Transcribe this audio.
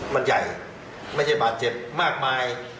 มันใหญ่ไม่ใช่บาดเจ็บมากมาย